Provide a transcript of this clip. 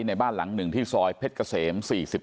ในบ้านหลังหนึ่งที่ซอยเพชรเกษม๔๔